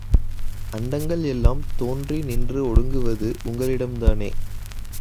அண்டங்கள் எல்லாம் தோன்றி நின்று ஒடுங்குவது உங்களிடம்தானே!